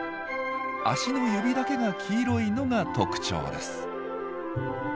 足の指だけが黄色いのが特徴です。